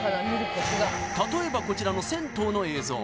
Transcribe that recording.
例えばこちらの銭湯の映像